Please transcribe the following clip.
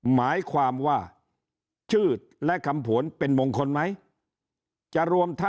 หมายความว่าชื่อและคำผวนเป็นมงคลไหม